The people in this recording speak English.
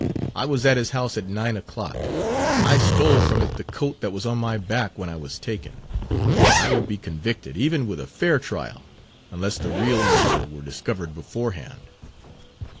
I was at his house at nine o'clock. I stole from it the coat that was on my back when I was taken. I would be convicted, even with a fair trial, unless the real murderer were discovered beforehand."